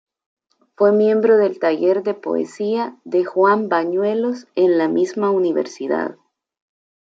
Fue miembro del Taller de Poesía de Juan Bañuelos en la misma Universidad.